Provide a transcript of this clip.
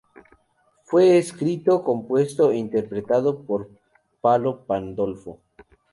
Fue escrito, compuesto e interpretado por Palo Pandolfo.